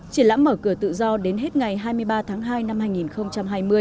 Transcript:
triển lãm mở cửa tự do đến hết ngày hai mươi ba tháng hai năm hai nghìn hai mươi